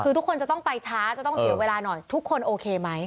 คือทุกคนจะต้องไปช้าจะต้องเสียเวลาหน่อยทุกคนโอเคไหม